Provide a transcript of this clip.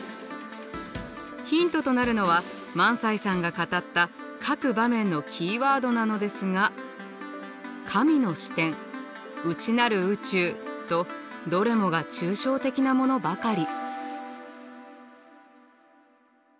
ヒントとなるのは萬斎さんが語った各場面のキーワードなのですが「神の視点」「内なる宇宙」とどれもが抽象的なものばかり。